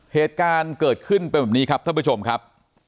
เหตุการณ์เกิดขึ้นเป็นแบบนี้ครับท่านผู้ชมครับ